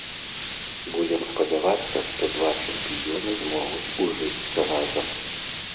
Будзем спадзявацца, што два чэмпіёны змогуць ужыцца разам.